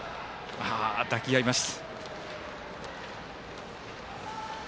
抱き合います。